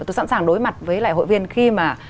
tôi sẵn sàng đối mặt với lại hội viên khi mà